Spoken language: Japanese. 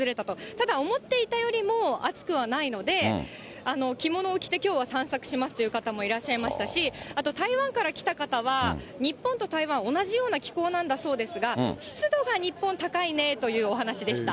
ただ、思っていたよりも暑くはないので、着物を着て、きょうは散策しますという方もいらっしゃいましたし、あと台湾から来た方は、日本と台湾、同じような気候なんだそうですが、湿度が日本、高いねというお話でした。